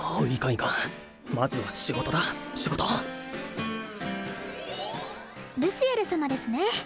いかんまずは仕事だ仕事ルシエル様ですね